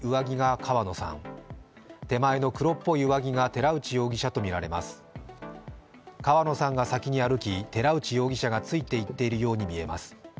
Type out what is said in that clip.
川野さんが先に歩き、寺内容疑者がついていっているように見えます。